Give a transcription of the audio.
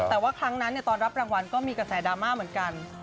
แต่ว่าครั้งนั้นตอนรับรางวัลก็มีกระแสดราม่าเหมือนกัน